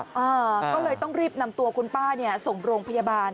ก็เลยต้องรีบนำตัวคุณป้าเนี่ยส่งโรงพยาบาล